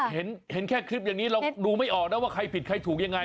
เห็นแค่คลิปอย่างนี้เราดูไม่ออกนะว่าใครผิดใครถูกยังไง